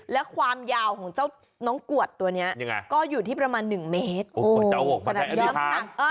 และความยาวของเจ้าน้องกวดตัวนี้ก็อยู่ที่ประมาณ๑เมตร